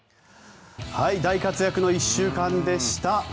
大活躍の１週間でした。